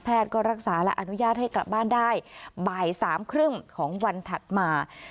ก็รักษาและอนุญาตให้กลับบ้านได้บ่ายสามครึ่งของวันถัดมา